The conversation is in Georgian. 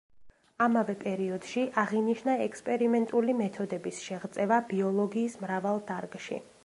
ამავე პერიოდში აღინიშნა ექსპერიმენტული მეთოდების შეღწევა ბიოლოგიის მრავალ დარგში.